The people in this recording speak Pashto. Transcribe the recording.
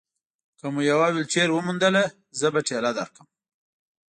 که مو یوه ویلچېر وموندله، زه به ټېله درکړم.